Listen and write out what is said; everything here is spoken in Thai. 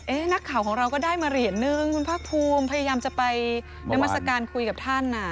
เอ๊ะนักข่าวของเราก็ได้มาเหรียญหนึ่งคุณพระภูมิพยายามจะไปดังบรรษการคุยกับท่าน